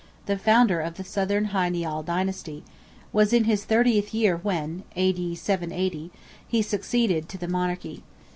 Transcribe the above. (the founder of the Southern Hy Nial dynasty), was in his thirtieth year when (A.D. 980) he succeeded to the monarchy.